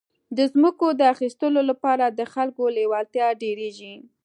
د ځمکو د اخیستو لپاره د خلکو لېوالتیا ډېرېږي.